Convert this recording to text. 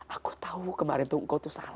aku tahu kemarin tuh engkau tuh salah gitu